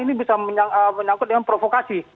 ini bisa menyangkut dengan provokasi